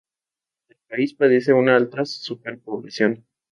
El país padece una alta superpoblación.